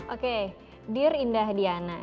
oke dear indahdiana